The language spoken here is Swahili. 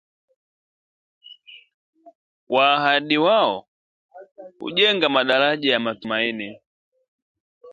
Wa ahadi wao hujenga madaraja ya matumaini